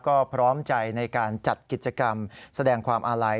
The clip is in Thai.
ก็พร้อมใจในการจัดกิจกรรมแสดงความอาลัย